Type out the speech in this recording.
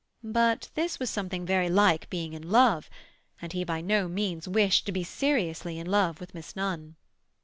But this was something very like being in love, and he by no means wished to be seriously in love with Miss Nunn.